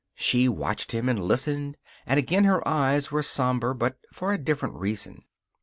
She watched him, and listened, and again her eyes were somber, but for a different reason.